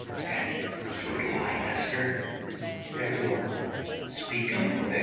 And so do I, master; therefore speak 'em fair.